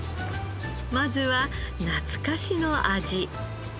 まずは懐かしの味。